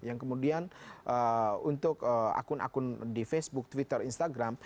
yang kemudian untuk akun akun di facebook twitter instagram